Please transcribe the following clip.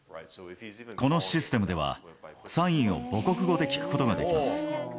このシステムでは、サインを母国語で聞くことができます。